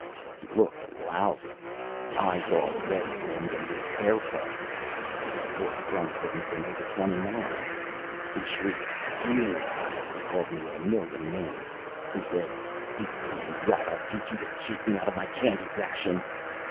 He looked lousy. Eyes all red rimmed and his hair falling out the poor crumb couldn't have been over twenty nine. He shrieked, "You!" He called me a million names. He said, "You thieving rat, I'll teach you to try to cheat me out of my candy ration!"